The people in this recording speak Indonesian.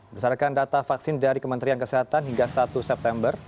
berdasarkan data vaksin dari kementerian kesehatan hingga satu september